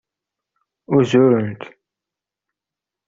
Uzurent.